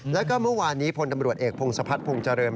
และก็เมื่อวานนี้พลตำรวจเอกพงษภัทรพงษ์เจริญ